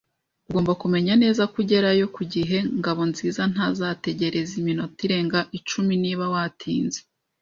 Ugomba kumenya neza ko ugerayo ku gihe. Ngabonziza ntazategereza iminota irenga icumi niba watinze.